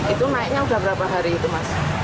itu naiknya sudah berapa hari itu mas